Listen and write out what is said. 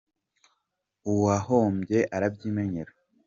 uwahombye arabyimenyera.